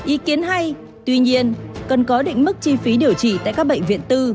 ý kiến hay tuy nhiên cần có định mức chi phí điều trị tại các bệnh viện tư